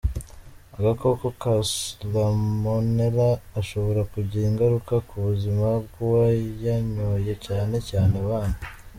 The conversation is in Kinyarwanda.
Agakoko ka Salmonella gashobora kugira ingaruka ku buzima bw’uwayanyoye cyane cyane abana.